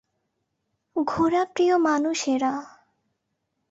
ঘোড়াপ্রিয় মানুষ এরা।